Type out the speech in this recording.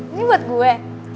ini buat gue